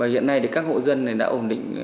hiện nay các hộ dân đã ổn định